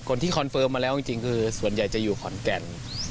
คอนเฟิร์มมาแล้วจริงคือส่วนใหญ่จะอยู่ขอนแก่น